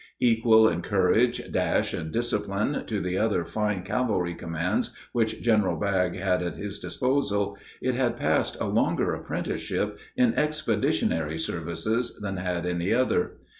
Equal in courage, dash, and discipline to the other fine cavalry commands which General Bragg had at his disposal, it had passed a longer apprenticeship in expeditionary service than had any other.